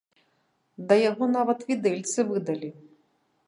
Да яго нават відэльцы выдалі!